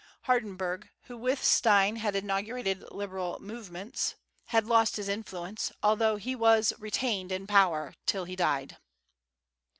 Hardenberg, who with Stein had inaugurated liberal movements, had lost his influence, although he was retained in power until he died.